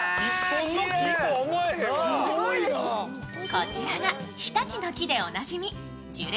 こちらが日立の樹でおなじみ樹齢